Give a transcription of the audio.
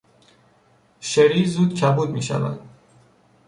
شری زود کبود میشود.